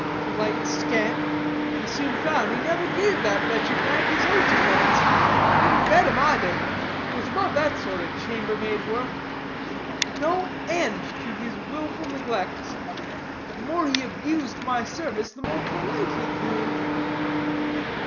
Polite scamp! I soon found he never gave that wretched nag his oats of nights; didn't bed him either. Was above that sort of chambermaid work. No end to his willful neglects. But the more he abused my service, the more polite he grew."